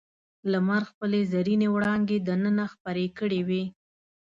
لمر خپلې زرینې وړانګې دننه خپرې کړې وې.